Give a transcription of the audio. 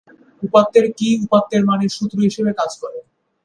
উপাত্তের কী উপাত্তের মানের সূত্র হিসেবে কাজ করে।